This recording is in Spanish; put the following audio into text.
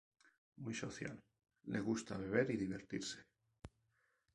Muy social, le gustaba beber y divertirse.